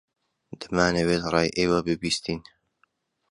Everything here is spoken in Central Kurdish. دەمانەوێت ڕای ئێوە ببیستین.